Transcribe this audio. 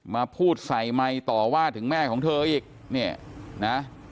มาพูดใส่ไมค์ต่อว่าถึงแม่ของเธออีก